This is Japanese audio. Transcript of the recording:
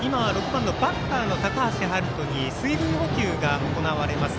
バッターの高橋陽大に水分補給が行われます。